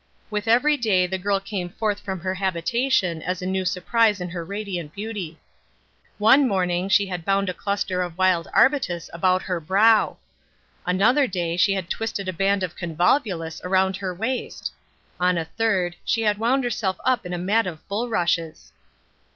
With every day the girl came forth from her habitation as a new surprise in her radiant beauty. One morning she had bound a cluster of wild arbutus about her brow. Another day she had twisted a band of convolvulus around her waist. On a third she had wound herself up in a mat of bulrushes.